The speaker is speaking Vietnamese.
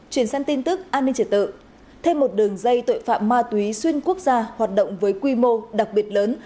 chuyển sang tin tức an ninh trật tự thêm một đường dây tội phạm ma túy xuyên quốc gia hoạt động với quy mô đặc biệt lớn